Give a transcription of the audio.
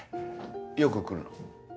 よく来るの？